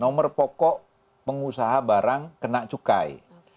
nomor pokok pengusaha barang kena cukai